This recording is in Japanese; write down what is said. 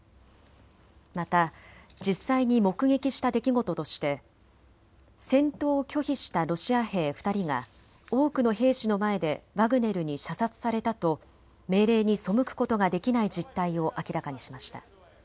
また実際に目撃した出来事として戦闘を拒否したロシア兵２人が多くの兵士の前でワグネルに射殺されたと命令に背くことができない実態を明らかにしました。